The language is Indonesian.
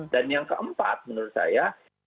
dan yang keempat menurut saya